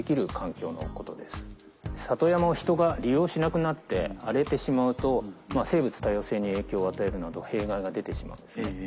里山を人が利用しなくなって荒れてしまうと生物多様性に影響を与えるなど弊害が出てしまうんですね。